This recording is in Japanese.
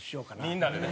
みんなでね。